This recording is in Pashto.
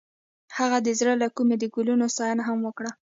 هغې د زړه له کومې د ګلونه ستاینه هم وکړه.